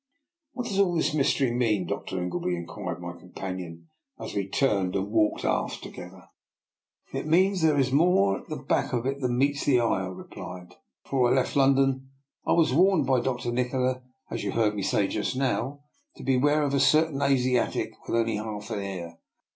" What does ^11 this mystery mean. Dr. Ingleby? " inquired my companion, as we turned and walked aft together. " It means that there is more at the back of it than meets the eye,'' I replied. " Be fore I left London I was warned by Dr. Ni kola, as you heard me say just now, to beware of a certain Asiatic with only half an ear.